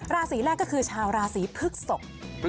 ราศีแรกก็คือชาวราศีพฤกษก